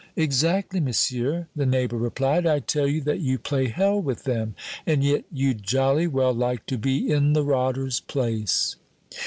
"Exactly, monsieur," the neighbor replied; "I tell you that you play hell with them and yet you'd jolly well like to be in the rotters' place."